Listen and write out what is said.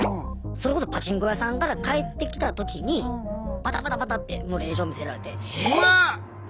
それこそパチンコ屋さんから帰ってきた時にバタバタバタッてもう令状見せられて。